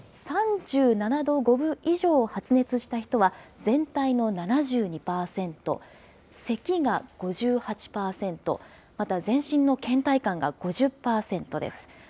３７度５分以上発熱した人は全体の７２％、せきが５８％、また全身のけん怠感が５０％です。